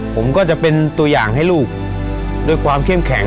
ผมก็จะเป็นตัวอย่างให้ลูกด้วยความเข้มแข็ง